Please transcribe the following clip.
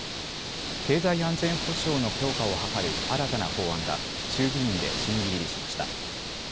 経済安全保障の強化を図る新たな法案が、衆議院で審議入りしました。